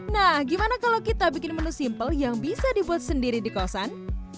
nah gimana kalau kita bikin menu simpel yang bisa dibuat sendiri di kosan